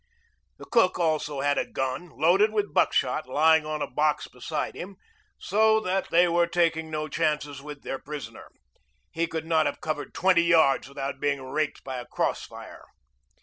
The cook also had a gun, loaded with buckshot, lying on a box beside him, so that they were taking no chances with their prisoner. He could not have covered twenty yards without being raked by a cross fire.